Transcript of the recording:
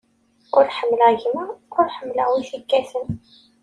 Ur ḥemmleɣ gma, ur ḥemmleɣ wi t-ikkaten.